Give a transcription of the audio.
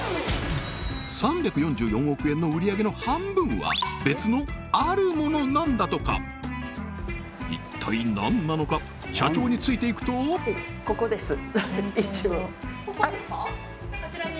３４４億円の売上げの半分は別のあるモノなんだとか一体何なのか社長についていくとここですか？